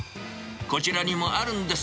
こちらにもあるんです。